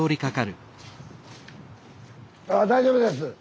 あ大丈夫です。